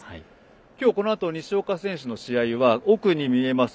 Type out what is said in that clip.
今日、このあと西岡選手の試合は奥に見えます